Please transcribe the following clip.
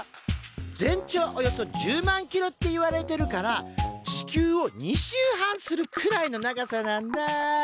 全長およそ１０万ｋｍっていわれてるから地球を２周半するくらいの長さなんだ。